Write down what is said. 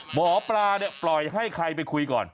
หมอปลาเนี่ยปล่อยให้ใครไปคุยก่อน